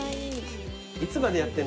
いつまでやってんだ